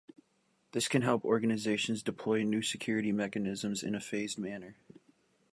This can help organizations deploy new security mechanisms in a phased manner.